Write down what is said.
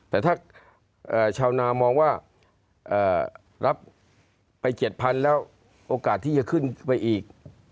แต่ถ้าชาวนามองว่ารับไป๗๐๐๐แล้วโอกาสที่จะขึ้นไปอีก